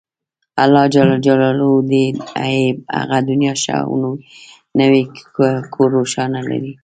الله ﷻ دې يې هغه دنيا ښه او نوی کور روښانه لري